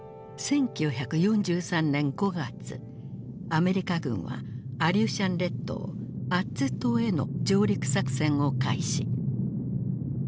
アメリカ軍はアリューシャン列島アッツ島への上陸作戦を開始。